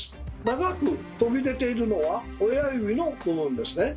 長く飛び出ているのは親指の部分ですね。